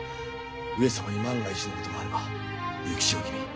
上様に万が一のことがあれば幸千代君